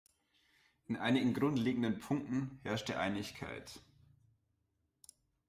In einigen grundlegenden Punkten herrschte Einigkeit.